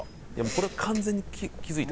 これは完全に気付いた。